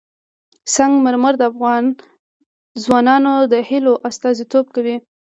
سنگ مرمر د افغان ځوانانو د هیلو استازیتوب کوي.